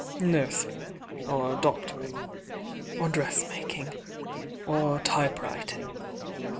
Nursing, or doctoring, or dressmaking, or type writing.